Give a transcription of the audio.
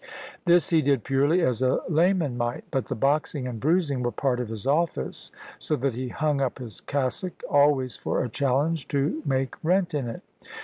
This he did purely as a layman might. But the boxing and bruising were part of his office, so that he hung up his cassock always for a challenge to make rent in it.